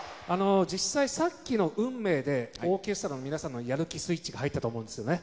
実際、さっきの「運命」でオーケストラの皆さんのやる気スイッチが入ったと思うんですよね。